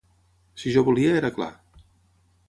Si jo volia, era clar.